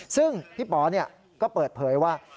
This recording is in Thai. ซึ่งพี่ป๋อก็เปิดเผยว่า